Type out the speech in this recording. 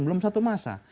belum satu masa